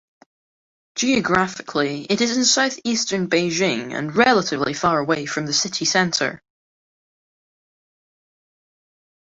Geographically, it is in southeastern Beijing and relatively far away from the city centre.